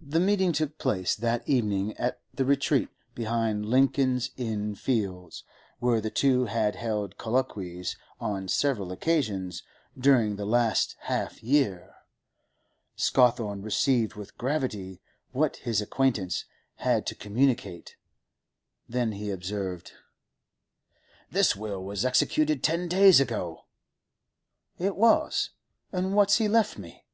The meeting took place that evening at the retreat behind Lincoln's Inn Fields where the two had held colloquies on several occasions during the last half year. Scawthorne received with gravity what his acquaintance had to communicate. Then he observed: 'The will was executed ten days ago.' 'It was? And what's he left me?